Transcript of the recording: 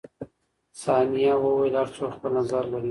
ثانیه وویل، هر څوک خپل نظر لري.